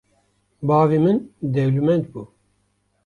Bavê min dewlemend bû